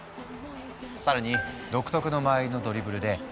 さらに独特の間合いのドリブルで一気に加速